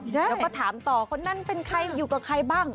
แล้วก็ถามต่อคนนั้นเป็นใครอยู่กับใครบ้าง